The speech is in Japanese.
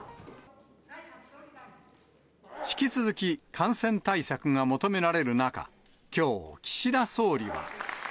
引き続き感染対策が求められる中、きょう、岸田総理は。